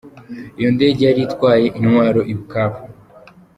Iyo ndege yari itwaye intwaro i Bukavu.